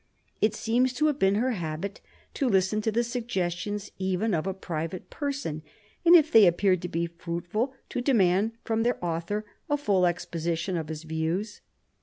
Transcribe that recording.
It seems to have been her habit to listen to the suggestions even of a private person, and, if they appeared to be fruitful, to demand from their author a full exposition of his views.